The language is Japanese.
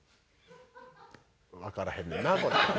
わからへんねんなこれ。